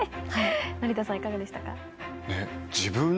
成田さんいかがでしたか？